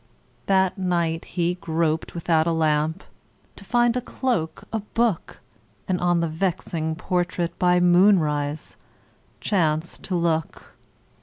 That night he groped without a lamp To find a cloak, a book, And on the vexing portrait By moonrise chanced to look.